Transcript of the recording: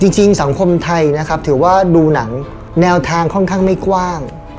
จริงสังคมไทยนะครับถือว่าดูหนังแนวทางค่อนข้างไม่กว้าง